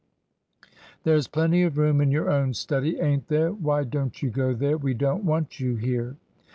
"There's plenty of room in your own study, ain't there? Why don't you go there? We don't want you here."